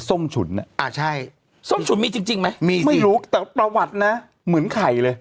ส้มฉุนอ่ะอ่าใช่ส้มฉุนมีจริงไหมมีไม่รู้แต่ประวัตินะเหมือนไข่เลย